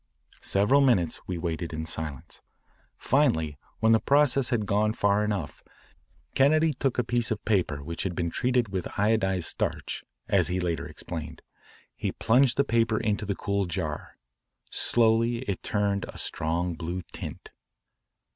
Several minutes we waited in silence. Finally when the process had gone far enough, Kennedy took a piece of paper which had been treated with iodised starch, as he later explained. He plunged the paper into the cool jar. Slowly it turned a strong blue tint.